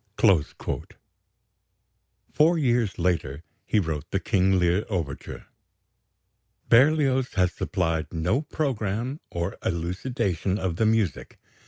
Four years later he wrote the "King Lear" overture. Berlioz has supplied no programme or elucidation of the music.